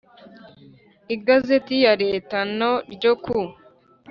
igazeti ya leta no ryo ku